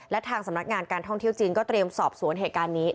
และทางสำนักงานการท่องเที่ยวจีนก็เตรียมสอบสวนเหตุการณ์นี้